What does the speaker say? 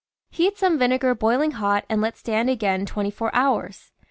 Heat some vinegar boiling hot and let stand again twenty four hours.